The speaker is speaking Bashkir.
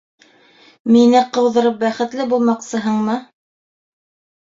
Мине ҡыуҙырып бәхетле булмаҡсыһыңмы?